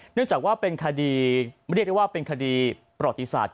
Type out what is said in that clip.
เนื่องจากว่าเป็นคดีไม่ได้เรียกว่าเป็นคดีประธิษฐรรย์